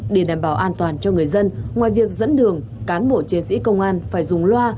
để đảm bảo an toàn cho người dân ngoài việc dẫn đường cán bộ chiến sĩ công an phải dùng loa